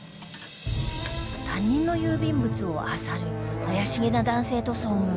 他人の郵便物をあさる怪しげな男性と遭遇